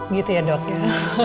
gitu ya dok ya